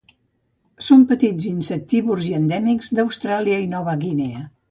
Són petits, insectívors i endèmics d'Austràlia i Nova Guinea.